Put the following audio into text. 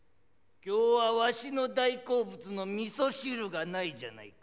今日はわしの大好物の味噌汁がないじゃないか。